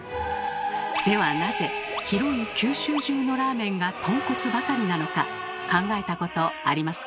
ではなぜ広い九州中のラーメンがとんこつばかりなのか考えたことありますか？